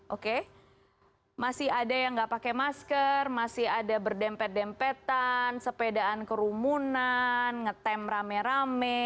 oke masih ada yang nggak pakai masker masih ada berdempet dempetan sepedaan kerumunan ngetem rame rame